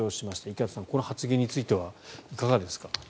池畑さん、この発言についてはいかがですか？